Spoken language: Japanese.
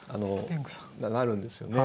鳴るんですよね。